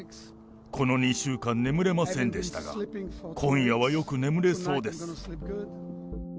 この２週間眠れませんでしたが、今夜はよく眠れそうです。